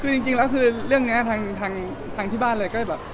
คือจริงแล้วคือเรื่องนี้ทางที่บ้านเลยก็แบบ